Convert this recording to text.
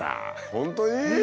本当に？